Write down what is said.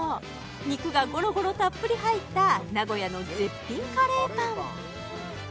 肉がゴロゴロたっぷり入った名古屋の絶品カレーパン